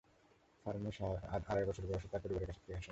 Fermi আড়াই বছর বয়সে তার পরিবারের কাছে ফিরে আসেন।